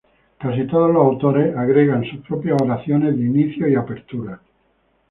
Casi todos los autores agregan sus propias oraciones de inicio y apertura.